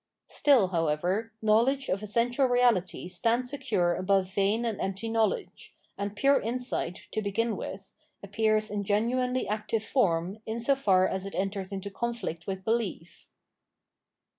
Still, however, knowledge of essential reality stands secure above vain and empty loiowledge; and pure insight, to begin with, appears in genuinely active form in so far as it enters into conflict with belief.